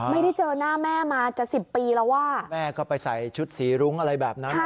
ไม่ได้เจอหน้าแม่มาจะสิบปีแล้วอ่ะแม่ก็ไปใส่ชุดสีรุ้งอะไรแบบนั้น